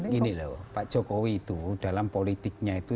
gini loh pak jokowi itu dalam politiknya itu